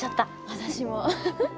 私も。